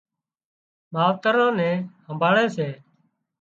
ماوتران نين همڀۯاوي سي